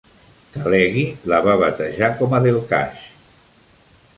Khaleghi la va batejar com a Delkash.